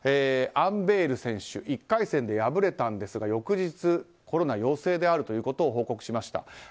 アンベール選手１回戦で敗れたんですが翌日、コロナ陽性であることを報告しました。